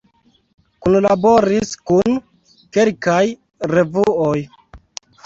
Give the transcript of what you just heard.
Kunlaboris kun kelkaj revuoj.